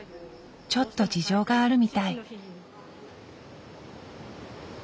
ちょっと事情があるみたい。